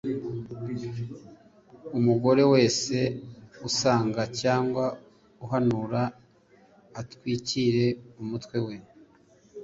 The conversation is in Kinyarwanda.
Umugaore wese usenga cyangwa uhanura atwikire umutwe we